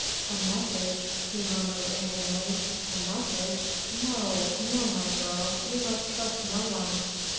"A message," he murmured inanely, "a message. No! no! my girl, you must trust no one....